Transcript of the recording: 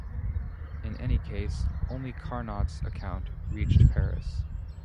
In any case, only Carnot's account reached Paris.